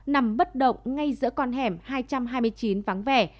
nằm bất động ngay giữa con hẻm hai trăm hai mươi chín vắng vẻ